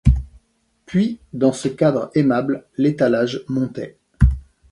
Puis, dans ce cadre aimable, l’étalage montait.